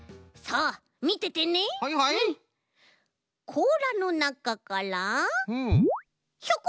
こうらのなかからひょこ！